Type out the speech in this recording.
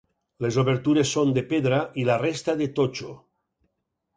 Les obertures són de pedra i la resta de totxo.